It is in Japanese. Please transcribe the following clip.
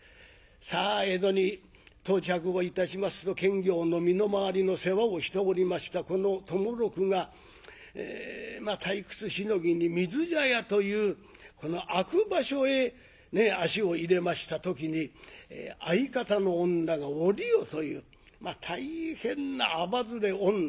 さあ江戸に到着をいたしますと検校の身の回りの世話をしておりましたこの友六が退屈しのぎに水茶屋というこの悪場所へ足を入れました時に相方の女が「おりよ」という大変なあばずれ女。